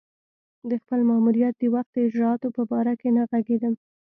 د خپل ماموریت د وخت د اجرآتو په باره کې نه ږغېږم.